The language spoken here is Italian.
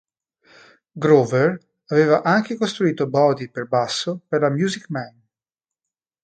Grover aveva anche costruito body per basso per la Music Man.